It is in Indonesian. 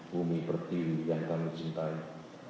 bumi pertiwi yang kami cintai